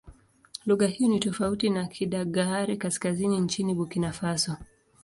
Lugha hiyo ni tofauti na Kidagaare-Kaskazini nchini Burkina Faso.